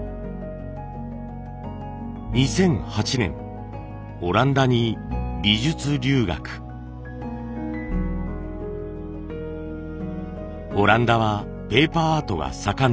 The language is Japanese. ２００８年オランダはペーパーアートが盛んな国。